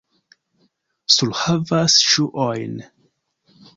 Surhavas ŝuojn.